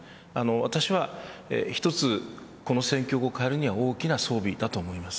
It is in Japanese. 私は一つ、この戦況を変えるには大きな装備だと思います。